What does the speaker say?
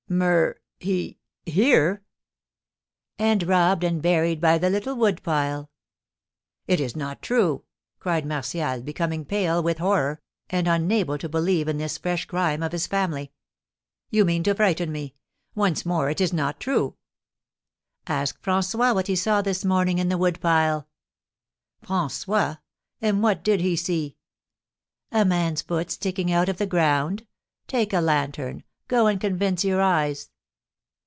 "Mur ! He! Here?" "And robbed and buried by the little wood pile." "It is not true!" cried Martial, becoming pale with horror, and unable to believe in this fresh crime of his family. "You mean to frighten me. Once more, it is not true?" "Ask François what he saw this morning in the wood pile." "François! And what did he see?" "A man's foot sticking out of the ground. Take a lantern; go and convince your eyes!"